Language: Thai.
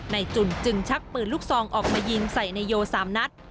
จุ่นจึงชักปืนลูกซองออกมายิงใส่นายโย๓นัด